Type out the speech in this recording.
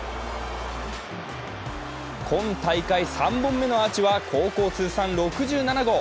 今大会３本目のアーチは高校通算６７号。